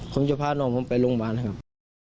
ผมจะพาน้องผมไปโรงพยาบาลนะครับ